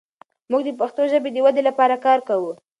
موږ د پښتو ژبې د ودې لپاره کار کوو.